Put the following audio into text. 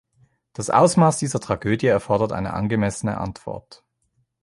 Das Ausmaß dieser Tragödie erfordert eine angemessene Antwort.